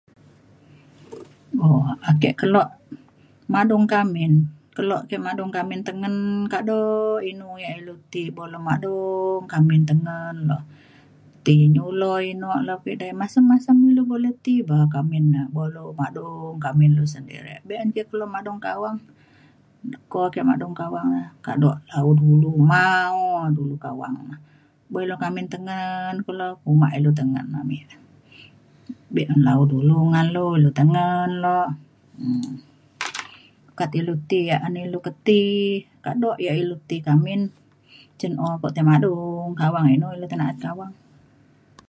um ake kelo madung kak amin. kelo ke madung kak amin tengen kado inu yak ilu ti buk lu madung kak amin tengen lok. ti nyulo eno le pe edei masem masem lu boleh ti ba kak amin na buk lu madung kak amin lu sedirek. be’un ke kelo madung kak awang leko ke madung kak awang na kado dulu mao dulu kawang na. buk ilu kak amin tengen kulo kuma ilu tengen amin na be na lau dulu ngalo ilu tengen lok. sukat ilu ti inu yak an ilu ke ti kado yak ilu ti kak amin cin o ko tai madung kak awang inu le tai na’at kak awang